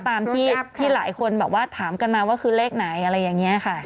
ตามที่หลายคนแบบว่าถามกันมาว่าคือเลขไหนอะไรอย่างนี้ค่ะ